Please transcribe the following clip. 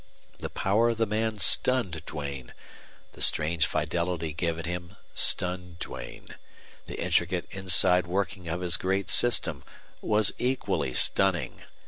The power of the man stunned Duane; the strange fidelity given him stunned Duane; the intricate inside working of his great system was equally stunning.